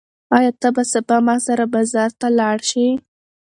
ایا ته به سبا ما سره بازار ته لاړ شې؟